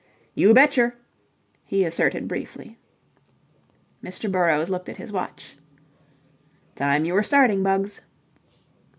"You betcher," he asserted briefly. Mr. Burrows looked at his watch. "Time you were starting, Bugs."